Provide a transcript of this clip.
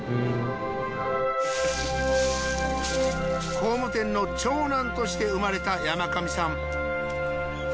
工務店の長男として生まれた山上さん